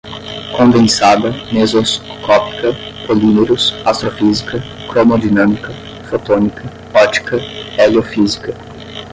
condensada, mesoscópica, polímeros, astrofísica, cromodinâmica, fotônica, ótica, heliofísica